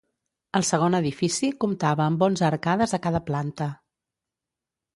El segon edifici comptava amb onze arcades a cada planta.